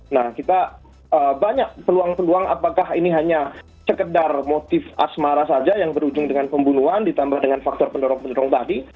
nah kita banyak peluang peluang apakah ini hanya sekedar motif asmara saja yang berujung dengan pembunuhan ditambah dengan faktor pendorong pendorong tadi